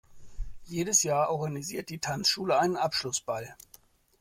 Jedes Jahr organisiert die Tanzschule einen Abschlussball.